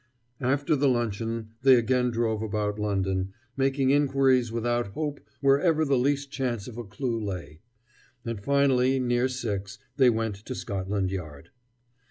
After the luncheon they again drove about London, making inquiries without hope wherever the least chance of a clew lay; and finally, near six, they went to Scotland Yard.